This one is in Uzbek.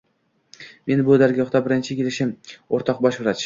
— Men bu dargohga birinchi kelishim, o‘rtoq bosh vrach.